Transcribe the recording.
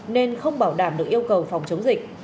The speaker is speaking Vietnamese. nên không bảo đảm được yêu cầu phòng chống dịch